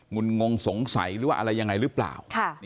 มุนงงสงสัยอะไรยังไงหรือเปล่า